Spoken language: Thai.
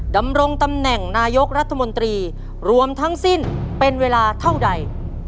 ดำรงตำแหน่งนายกรัฐมนตรีรวมทั้งสิ้นเป็นเวลาเท่าใด